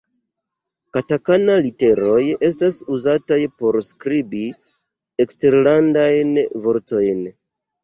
Katakana-literoj estas uzataj por skribi eksterlandajn vortojn.